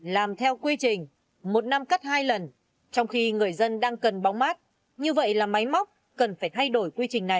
làm theo quy trình một năm cắt hai lần trong khi người dân đang cần bóng mát như vậy là máy móc cần phải thay đổi quy trình này